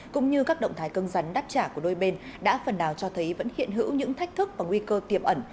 cũng như các động thái cân rắn đáp trả của đôi bên đã phần nào cho thấy vẫn hiện hữu những thách thức và nguy cơ tiềm ẩn